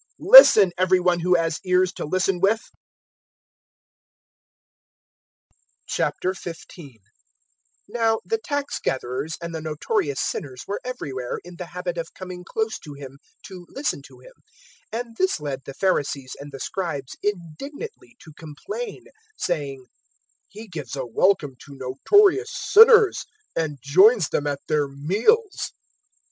Listen, every one who has ears to listen with!" 015:001 Now the tax gatherers and the notorious sinners were everywhere in the habit of coming close to Him to listen to Him; 015:002 and this led the Pharisees and the Scribes indignantly to complain, saying, "He gives a welcome to notorious sinners, and joins them at their meals!"